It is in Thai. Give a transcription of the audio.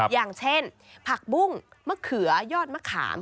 อย่างเช่นผักบุ้งมะเขือยอดมะขาม